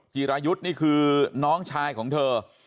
จิรายุทธ์นี่คือน้องชายของเธอ